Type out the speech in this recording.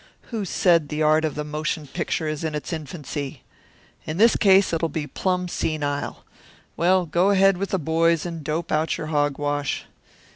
Who said the art of the motion picture is in its infancy? In this case it'll be plumb senile. Well, go ahead with the boys and dope out your hogwash.